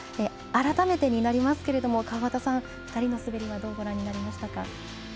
改めてになりますけれども川端さん２人の滑りはどうご覧になりましたか？